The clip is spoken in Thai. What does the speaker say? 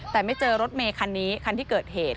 แต่ไม่เจอรถเมคันนี้คันที่เกิดเหตุ